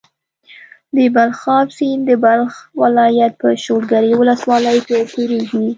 د بلخاب سيند د بلخ ولايت په شولګرې ولسوالۍ کې تيريږي.